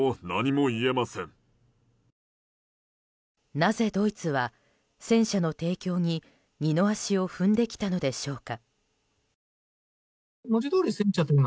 なぜドイツは戦車の提供に二の足を踏んできたのでしょうか。